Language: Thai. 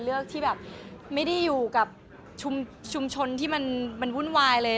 เลือกที่แบบไม่ได้อยู่กับชุมชนที่มันวุ่นวายเลย